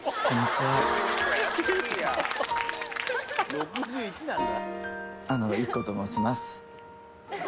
６１なんだ。